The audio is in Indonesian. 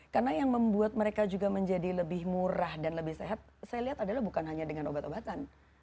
karena yang membuat mereka juga menjadi lebih murah dan lebih sehat saya lihat adalah bukan hanya dengan obat obatan